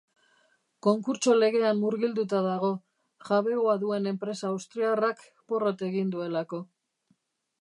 Konkurtso legean murgilduta dago, jabegoa duen enpresa austriarrak porrot egin duelako.